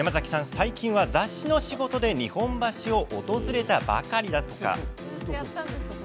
最近は雑誌の仕事で日本橋を訪れたばかりだとか。